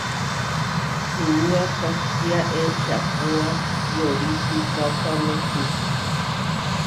Puúa kátia ečahpóa yoritupakámehu.